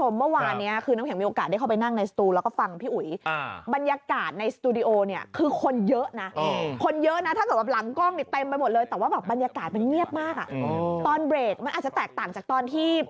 มันเงียบมากตอนเบรกมันอาจจะแตกต่างจากตอนที่